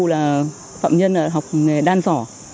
là phạm nhân học nghề đan sỏ